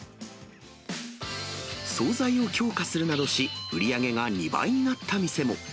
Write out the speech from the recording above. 総菜を強化するなどし、売り上げが２倍になった店も。